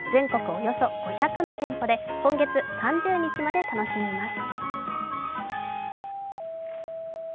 およそ５００の店舗で今月３０日まで楽しめます。